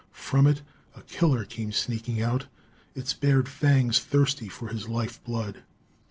From it, a killer came snaking out, its bared fangs thirsty for his life blood!